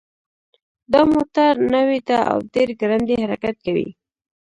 دا موټر نوی ده او ډېر ګړندی حرکت کوي